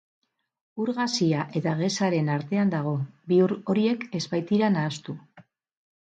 Ur gazia eta gezaren artean dago, bi ur horiek ez baitira nahastu.